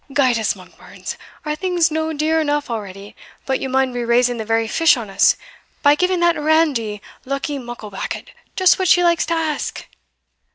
"Guide us, Monkbarns! are things no dear eneugh already, but ye maun be raising the very fish on us, by giving that randy, Luckie Mucklebackit, just what she likes to ask?"